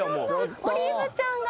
オリーブちゃんが。